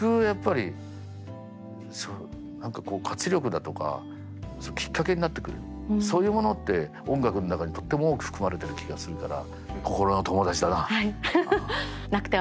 やっぱり何かこう活力だとかきっかけになってくれるそういうものって音楽の中にとっても多く含まれてる気がするから心の友達だな。